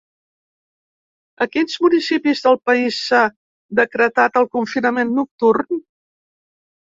A quins municipis del país s’ha decretat el confinament nocturn?